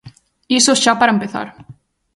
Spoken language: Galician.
Iso xa para empezar.